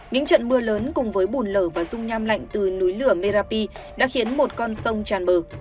những trận mưa lớn cùng với bùn lở và rung nham lạnh từ núi lửa melapi đã khiến một con sông tràn bờ